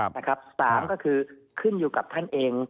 ครับนะครับสามก็คือขึ้นอยู่กับท่านเอง